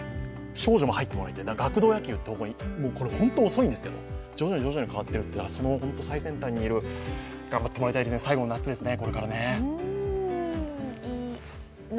少女も入ってもらいたいので学童野球って、本当に遅いんですけど、徐々に変わっているという。頑張ってほしいですね最後の夏ですね。